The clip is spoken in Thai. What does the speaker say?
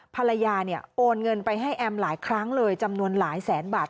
ภรรยาเนี่ยโอนเงินไปให้แอมหลายครั้งเลยจำนวนหลายแสนบาท